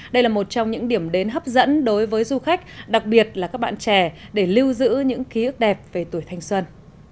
đây là một trong những điểm đến hấp dẫn đối với du khách đặc biệt là các bạn trẻ để lưu giữ những ký ức đẹp về tuổi thanh xuân